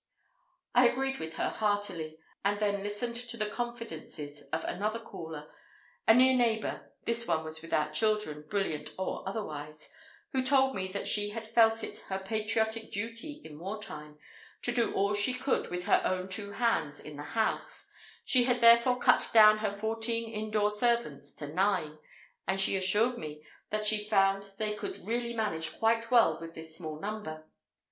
I agreed with her heartily, and then listened to the confidences of another caller, a near neighbour (this one was without children, brilliant or otherwise), who told me that she had felt it her patriotic duty in war time to do all she could with her own two hands in the house; she had therefore cut down her fourteen indoor servants to nine; and she assured me she found that they could really manage quite well with this small number.